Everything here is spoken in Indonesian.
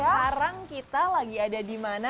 sekarang kita lagi ada di mana